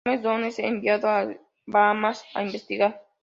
James Bond es enviado a las Bahamas a investigar.